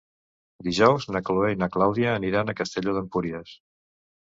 Dijous na Chloé i na Clàudia aniran a Castelló d'Empúries.